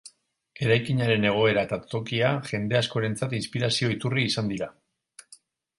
Eraikinaren egoera eta tokia jende askorentzat inspirazio iturri izan dira.